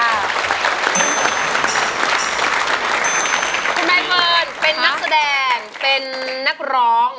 คุณใบเฟิร์นเป็นนักแสดงเป็นนักร้อง